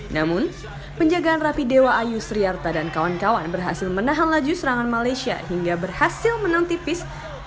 namun penjagaan rapi dewa ayu sri yarta dan kawan kawan berhasil menahan laju serangan malaysia hingga berhasil menang tipis tiga belas dua belas